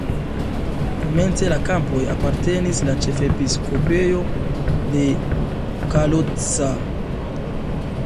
Komence la kampoj apartenis al ĉefepiskopejo de Kalocsa.